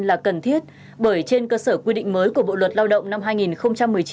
là cần thiết bởi trên cơ sở quy định mới của bộ luật lao động năm hai nghìn một mươi chín